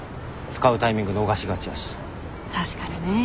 確かにね。